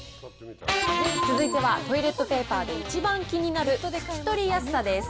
続いてはトイレットペーパーで一番気になる拭き取りやすさです。